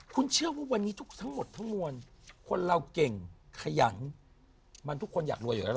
คุณเชื่อว่าวันนี้ทุกทั้งหมดทั้งมวลคนเราเก่งขยันมันทุกคนอยากรวยอยู่แล้วล่ะ